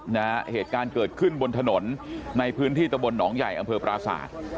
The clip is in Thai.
เหตุการณ์เกิดขึ้นบนถนนในพื้นที่ตะบนหนองใหญ่อำเภอปราศาสตร์